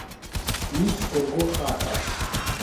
ის გოგო ხატავს